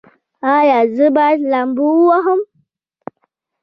ایا زه باید لامبو ووهم؟